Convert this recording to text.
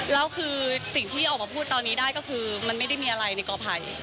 แล้วคือสิ่งที่ออกมาพูดตอนนี้ได้ก็คือมันไม่ได้มีอะไรในกอภัย